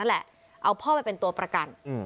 อ้าว๑๘๐๐มังคม